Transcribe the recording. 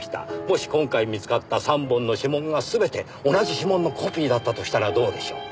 もし今回見つかった３本の指紋が全て同じ指紋のコピーだったとしたらどうでしょう。